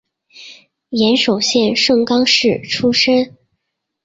岩手县盛冈市出身。